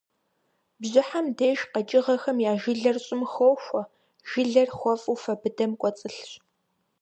Бжьыхьэм деж къэкӏыгъэхэм я жылэр щӏым хохуэ, жылэр хуэфӏу фэ быдэм кӏуэцӏылъщ.